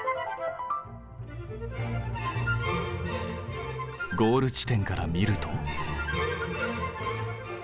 ゴール地点から見ると。